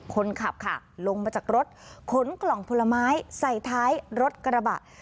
คนขับค่ะลงมาจากรถขนกล่องผลไม้ใส่ท้ายรถกระบะ